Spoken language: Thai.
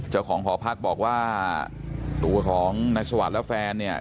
เจ้าของหอพักบอกว่าตัวของนายสวัสดิ์และแฟนเนี่ย